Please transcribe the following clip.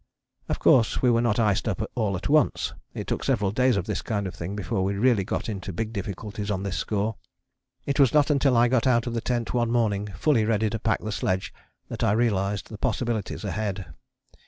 Of course we were not iced up all at once: it took several days of this kind of thing before we really got into big difficulties on this score. It was not until I got out of the tent one morning fully ready to pack the sledge that I realized the possibilities ahead.